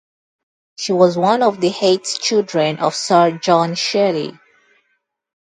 She was one of eight children of Sir John Shirley.